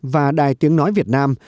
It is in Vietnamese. và đài tiếng nói việt nam